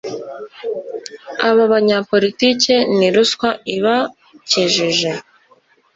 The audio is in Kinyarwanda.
Aba banyapolitiki ni ruswa iba kijije